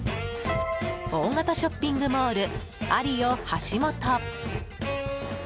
大型ショッピングモールアリオ橋本。